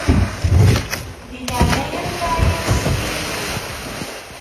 Di leɛnaya-m laɛi-yas s tilifun.